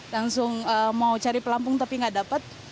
langsung mau cari pelampung tapi nggak dapat